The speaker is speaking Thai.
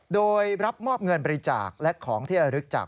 โดยรับมอบเงินบริจาคและของที่ระลึกจาก